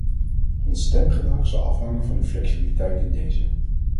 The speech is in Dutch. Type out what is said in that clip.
Ons stemgedrag zal afhangen van uw flexibiliteit in deze.